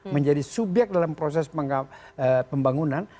menjadi subyek dalam proses pembangunan